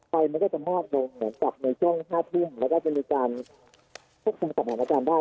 มันก็จะมากลงเหมือนกับในช่วง๕ทุ่มแล้วก็จะมีการควบคุมสถานการณ์ได้